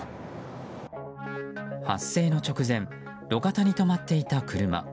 発生の直前路肩に止まっていた車。